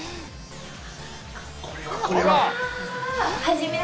これはこれは。